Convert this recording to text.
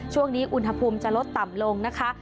ช่วงนี้อุณหภูมิจะลดต่ำลงนะคะ